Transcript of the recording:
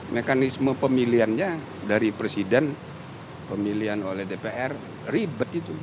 mekanisme pemilihannya dari presiden pemilihan oleh dpr ribet itu